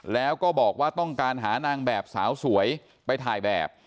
แล้วก็บอกว่าต้องการหานางแบบสาวสวยไปถ่ายแบบ